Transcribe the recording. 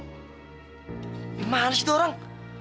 gimana sih tuh orang